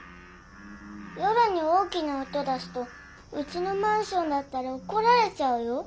夜に大きな音出すとうちのマンションだったらおこられちゃうよ。